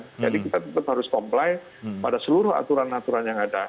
jadi kita tetap harus comply pada seluruh aturan aturan yang ada